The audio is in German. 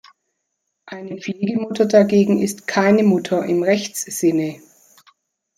Eine Pflegemutter dagegen ist keine Mutter im Rechtssinne.